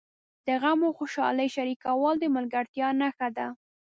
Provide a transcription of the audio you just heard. د غم او خوشالۍ شریکول د ملګرتیا نښه ده.